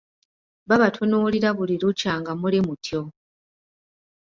Babatunuulira buli lukya nga muli mutyo.